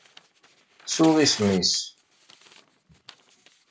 Ttuɣ isem-is.